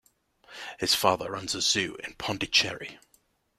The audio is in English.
His father owns a zoo in Pondicherry.